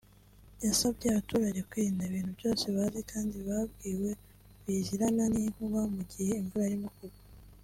yasabye abaturage kwirinda ibintu byose bazi kandi babwiwe bizirana n’inkuba mu gihe imvura irimo kugwa